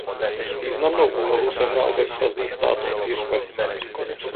Významnou úlohu sehrál ve vztazích státu a církve.